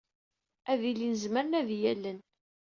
Ad ilin zemren ad iyi-allen.